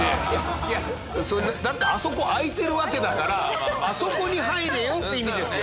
いやだってあそこ空いてるわけだからあそこに入れよっていう意味ですよ